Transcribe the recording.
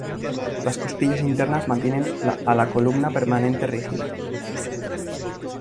Las costillas internas mantienen a la columna permanente rígida.